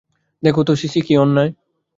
দেখো তো সিসি, কী অন্যায়।